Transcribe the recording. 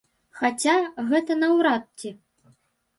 Хаця, гэта наўрад ці.